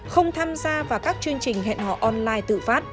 không tham gia vào các chương trình hẹn hò online tự phát